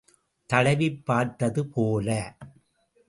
தடவிப் பார்த்தது போல.